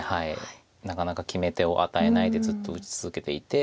なかなか決め手を与えないでずっと打ち続けていて。